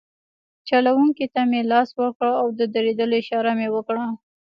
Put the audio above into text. چلونکي ته مې لاس ورکړ او د درولو اشاره مې وکړه.